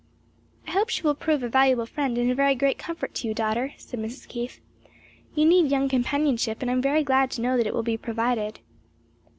"I hope she will prove a valuable friend and a very great comfort to you, daughter," said Mrs. Keith. "You need young companionship and I am very glad to know that it will be provided."